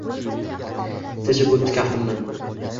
Teshib oʻtdi kaftimni.